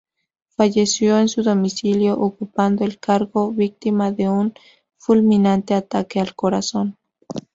Falleció en su domicilio ocupando el cargo, víctima de un fulminante ataque al corazón.